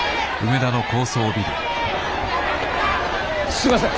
すいません！